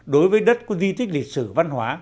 đối với đất có di tích lịch sử văn hóa